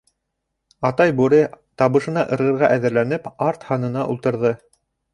Атай Бүре, табышына ырғырға әҙерләнеп, арт һанына ултырҙы.